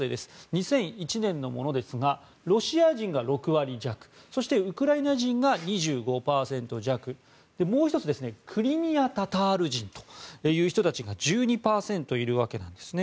２００１年のものですがロシア人が６割弱そしてウクライナ人が２５％弱もう１つクリミア・タタール人という人たちが１２％いるわけです。